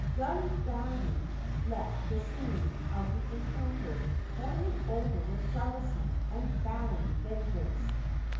Gundayu left the scene of the encounter, boiling over with jealousy and vowing vengeance.